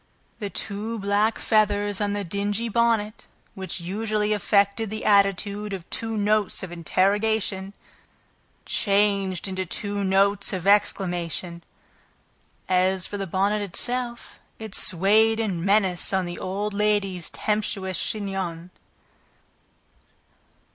The two black feathers on the dingy bonnet, which usually affected the attitude of two notes of interrogation, changed into two notes of exclamation; as for the bonnet itself, it swayed in menace on the old lady's tempestuous chignon.